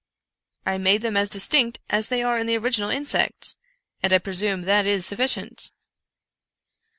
I made them as distinct as they are in the original insect, and I presume that is suf ficient."